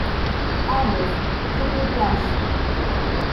Ambos "Jumping Flash!